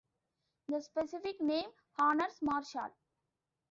The specific name honours Marshall.